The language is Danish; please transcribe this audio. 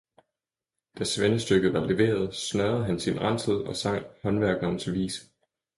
Da svendestykket var leveret, snørede han sin ransel og sang håndværkerens vise.